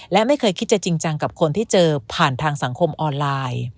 และไม่เคยคิดจะจริงจังกับคนที่เจอผ่านทางสังคมออนไลน์